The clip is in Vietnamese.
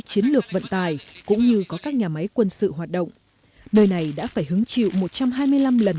chiến lược vận tài cũng như có các nhà máy quân sự hoạt động nơi này đã phải hứng chịu một trăm hai mươi năm lần